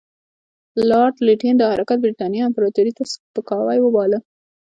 لارډ لیټن دا حرکت برټانیې امپراطوري ته سپکاوی وباله.